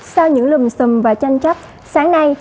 sau những lùm xùm và tranh chấp sáng nay